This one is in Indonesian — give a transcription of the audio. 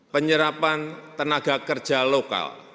penyerapan tenaga kerja lokal